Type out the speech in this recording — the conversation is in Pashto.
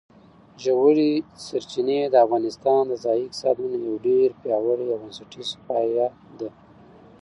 ژورې سرچینې د افغانستان د ځایي اقتصادونو یو ډېر پیاوړی او بنسټیز پایایه دی.